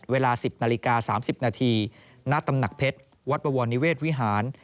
เวลา๑๐นาฬิกา๓๐นาทีณตำหนักเพชรวัดบวรนิเวศวิหาร